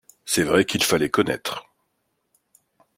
C’est vrai qu’il fallait connaître.